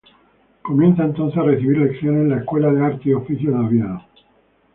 Comienza entonces a recibir lecciones en la Escuela de Artes y Oficios de Oviedo.